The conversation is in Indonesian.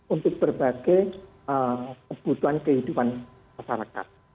untuk berbagai kebutuhan kehidupan masyarakat